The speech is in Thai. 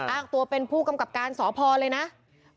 อ้ากตัวเป็นผู้กำกับการสอบพอบ์เมืองนครสวรรค์เลยนะ